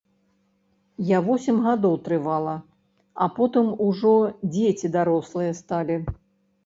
Я восем гадоў трывала, а потым ужо дзеці дарослыя сталі.